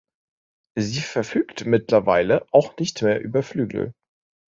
Sie verfügt mittlerweile auch nicht mehr über Flügel.